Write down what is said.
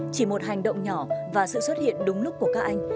chỉ một hành động nhỏ và sự xuất hiện đúng lúc của các anh